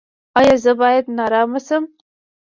ایا زه باید نارامه شم؟